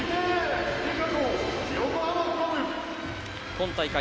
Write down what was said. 今大会